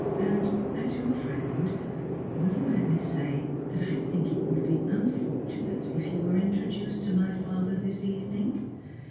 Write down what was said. And, as your friend, will you let me say that I think it would be unfortunate if you were introduced to my father this evening?